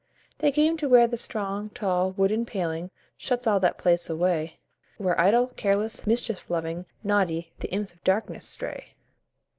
They came to where the strong, tall, wooden paling Shuts all that place away, Where idle, careless, mischief loving, naughty, The Imps of Darkness stray.